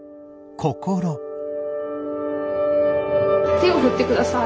手を振ってください。